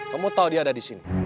kamu tau dia ada disini